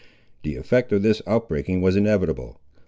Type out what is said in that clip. The effect of this outbreaking was inevitable.